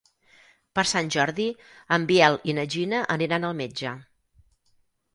Per Sant Jordi en Biel i na Gina aniran al metge.